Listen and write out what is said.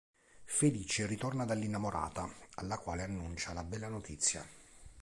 Felice, ritorna dall'innamorata alla quale annuncia la bella notizia.